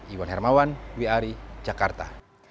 iwan hermawan wiari jakarta